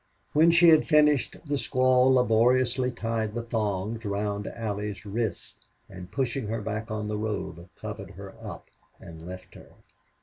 When she had finished the squaw laboriously tied the thongs round Allie's wrists, and, pushing her back on the robe, covered her up and left her.